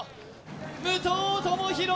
武藤智広